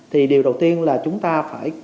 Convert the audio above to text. thì điều đầu tiên là chúng ta phải